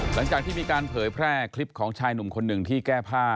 หลังจากที่มีการเผยแพร่คลิปของชายหนุ่มคนหนึ่งที่แก้ผ้า